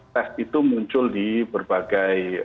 tes itu muncul di berbagai